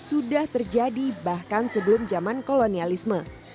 sudah terjadi bahkan sebelum zaman kolonialisme